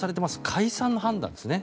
解散の判断ですね。